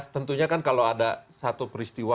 tentunya kan kalau ada satu peristiwa